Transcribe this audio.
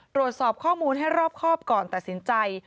ตรวจสอบข้อมูลให้รอบครอบก่อนตัดสินใจ